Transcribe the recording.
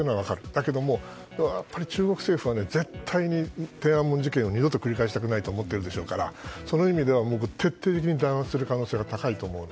だけども、やっぱり中国政府は絶対に天安門事件を二度と繰り返したくないと思ってるでしょうからその意味では徹底的に弾圧する可能性が高いと思う。